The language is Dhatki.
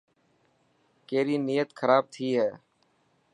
ڪيري نيت کراب ٿي هي.